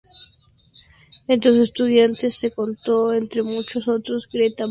Entre sus estudiantes se contó, entre muchos otros, Greta Garbo.